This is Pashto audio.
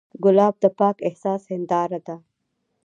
ګلاب د پاک احساس هنداره ده.